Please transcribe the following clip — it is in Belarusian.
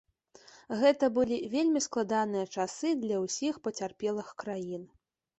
Гэта былі вельмі складаныя часы для ўсіх пацярпелых краін.